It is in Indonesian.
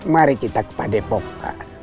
mari kita ke padepok pak